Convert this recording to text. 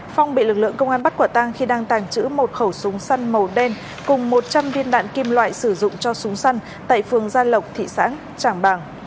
phong bị lực lượng công an bắt quả tang khi đang tàng trữ một khẩu súng săn màu đen cùng một trăm linh viên đạn kim loại sử dụng cho súng săn tại phường gia lộc thị xã trảng bàng